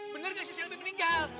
bener gak si selby meninggal